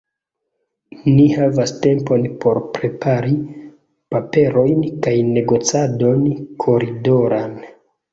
Ni havis tempon por prepari paperojn kaj negocadon koridoran.